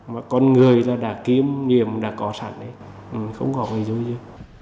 mà con người là đã kiếm nhiệm đã có sẵn đấy không có vấn đề dối dư